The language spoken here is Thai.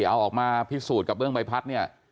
เอาออกมาพิสูจน์กับเบื้องใบพัดเนี่ย